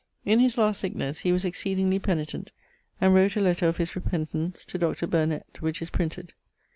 In his last sicknesse he was exceedingly paenitent and wrote a lettre of his repentance to Dr. Burnet, which is printed.